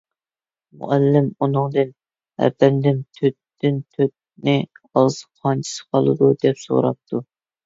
مۇئەللىم ئۇنىڭدىن: _ ئەپەندىم، تۆتتىن تۆتنى ئالسا قانچىسى قالىدۇ؟ _ دەپ سوراپتۇ.